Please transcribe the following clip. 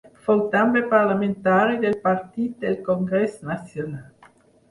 Fou també parlamentari del Partit del Congrés Nacional.